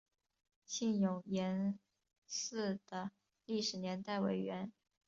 永兴岩寺的历史年代为元。